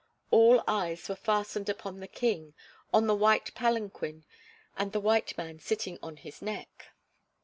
All eyes were fastened upon the King, on the white palanquin, and the white man sitting on his neck.